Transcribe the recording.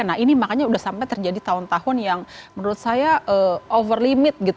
nah ini makanya sudah sampai terjadi tahun tahun yang menurut saya over limit gitu